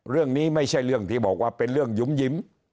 เรื่องนี้ไม่ใช่เรื่องที่บอกว่าเป็นเรื่องหยุ่ม